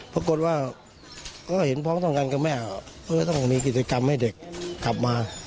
ปรากฏว่าก็เห็นพร้อมต้องกันกับแม่ว่าต้องมีกิจกรรมให้เด็กกลับมา